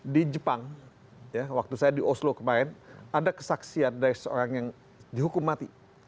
di jepang ya waktu saya di oslo kemarin ada kesaksian dari seorang yang dihukum mati